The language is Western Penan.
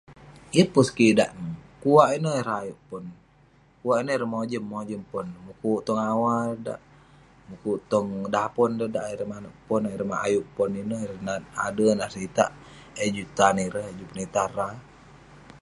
Yeng pun sekidak neh, kuak ineh ireh ayuk pon. Kuak ineh ireh mojem mojem pon. Mukuk tong awa ireh dak, mukuk tong dapon ireh dak ayuk ireh manouk pon, ayuk ireh nat ader, nat seritak eh juk tan ireh, juk penitah rah.